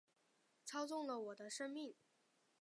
操纵了我的生命